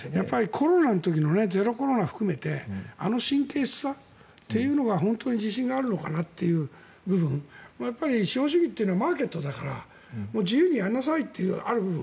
コロナの時のゼロコロナを含めてあの神経質さというのは本当に自信があるのかなという部分資本主義というのはマーケットだから自由にやりなさいというある部分。